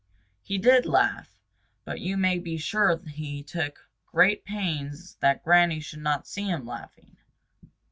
He did laugh, but you may be sure he took great pains that Granny should not see him laughing.